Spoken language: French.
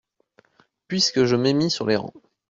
Puisque je m’ai mis sur les rangs…